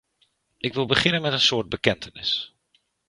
Ik wil beginnen met een soort bekentenis.